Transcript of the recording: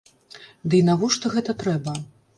Дый навошта гэта трэба?